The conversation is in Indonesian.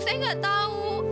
saya gak tau